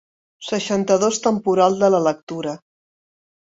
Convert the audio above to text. Seixanta-dos temporal de la lectura.